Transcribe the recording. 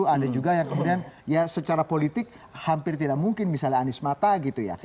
ada juga yang kemudian ya secara politik hampir tidak mungkin misalnya anies mata gitu ya